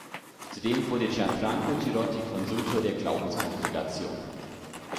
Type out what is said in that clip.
Zudem wurde Gianfranco Girotti Konsultor der Glaubenskongregation.